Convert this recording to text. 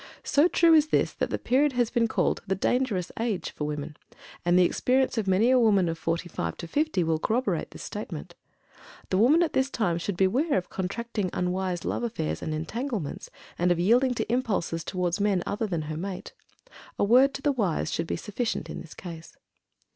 So true is this that this period has been called "The Dangerous Age" for women, and the experience of many a woman of forty five to fifty will corroborate this statement. The woman at this time should beware of contracting unwise love affairs and entanglements, and of yielding to impulses toward men other than her mate. A word to the wise should be sufficient in this case.